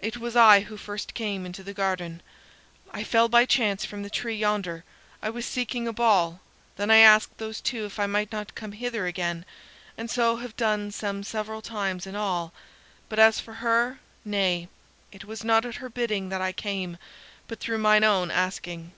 It was I who first came into the garden. I fell by chance from the tree yonder I was seeking a ball then I asked those two if I might not come hither again, and so have done some several times in all. But as for her nay; it was not at her bidding that I came, but through mine own asking."